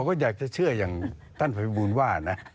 ก็อยากจะเชื่ออย่างท่านพระพิบูรณ์ว่านะ